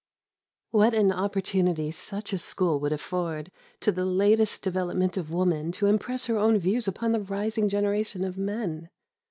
What an opportunity such a school would afford to the latest development of woman to impress her own views upon the rising generation of men!